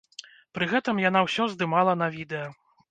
Пры гэтым яна ўсё здымала на відэа.